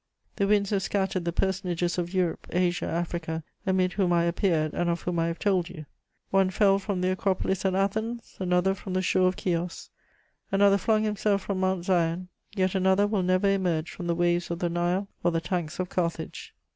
The winds have scattered the personages of Europe, Asia, Africa, amid whom I appeared and of whom I have told you: one fell from the Acropolis at Athens, another from the shore of Chios, another flung himself from Mount Sion, yet another will never emerge from the waves of the Nile or the tanks of Carthage.